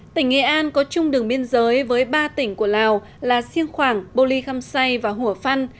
tỉnh nghệ an có chung đường biên giới với ba tỉnh của lào là siêng khoảng bô ly khăm say và hủa phăn